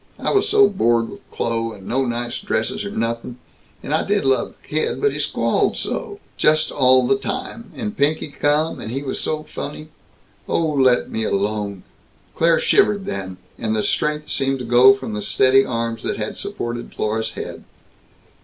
I was so bored with Kloh, and no nice dresses or nothin', and I did love the kid, but he squalled so, just all the time, and Pinky come, and he was so funny Oh, let me alone!" Claire shivered, then, and the strength seemed to go from the steady arms that had supported Dlorus's head.